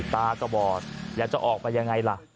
ตาก็บอดอยากจะออกไปยังไงล่ะ